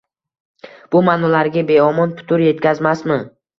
Bu ma’nolariga beomon putur yetkazmasmi?